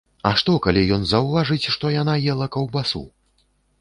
А што, калі ён заўважыць, што яна ела каўбасу?